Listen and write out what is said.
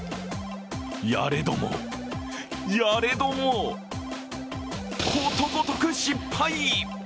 やれども、やれども、ことごとく失敗。